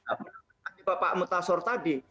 apalagi pak mutasor tadi